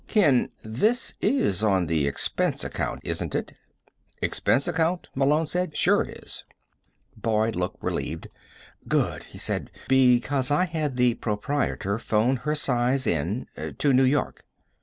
"Ken, this is on the expense account, isn't it?" "Expense account," Malone said. "Sure it is." Boyd looked relieved. "Good," he said. "Because I had the proprietor phone her size in, to New York."